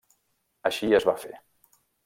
Així es va fer.